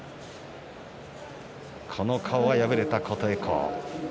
この顔は敗れた琴恵光。